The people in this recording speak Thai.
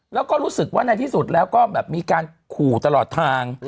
แล้วก็รู้สึกว่าในที่สุดแล้วก็แบบมีการขู่ตลอดทาง